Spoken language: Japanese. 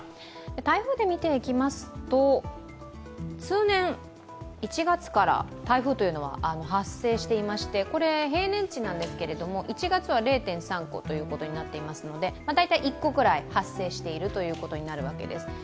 台風で見ていきますと、通年、１月から台風は発生していましてこれ、平年値なんですけど１月は０．３個となっていますので大体１個くらい発生しているということになるわけです。